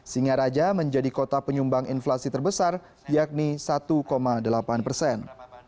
singaraja menjadi kota penyumbang inflasi terbesar yakni satu delapan persen